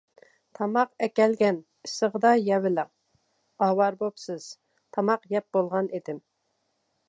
تاماق ئەكەلگەن، ئىسسىقىدا يەۋېلىڭ، ئاۋارە بولۇپسىز، تاماق يەپ بولغان ئىدىم.